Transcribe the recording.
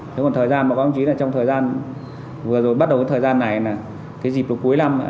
thế còn thời gian mà báo chí là trong thời gian vừa rồi bắt đầu thời gian này là cái dịp cuối